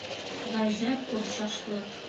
Ғәжәп оҡшашлыҡ!